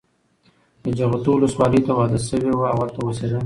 د جغتو ولسوالۍ ته واده شوې وه او هلته اوسېده.